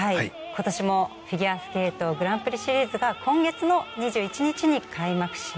今年もフィギュアスケートグランプリシリーズが今月の２１日に開幕します。